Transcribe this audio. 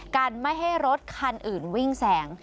กันไม่ให้รถคันอื่นวิ่งแสง